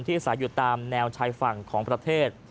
อาศัยอยู่ตามแนวชายฝั่งของประเทศ